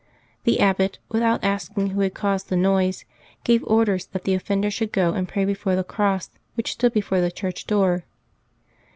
The abbot, without asking who had caused the noise, gave orders that the offender should go and pray be fore the cross, which stood before the church door.